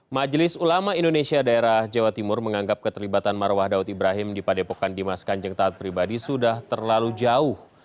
majelis ulama indonesia daerah jawa timur menganggap keterlibatan marwah daud ibrahim di padepokan dimas kanjeng taat pribadi sudah terlalu jauh